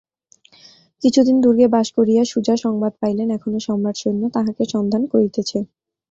কিছুদিন দুর্গে বাস করিয়া সুজা সংবাদ পাইলেন এখনো সম্রাটসৈন্য তাঁহাকে সন্ধান করিতেছে।